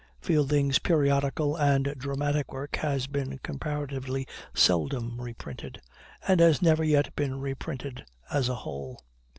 Fielding's periodical and dramatic work has been comparatively seldom reprinted, and has never yet been reprinted as a whole.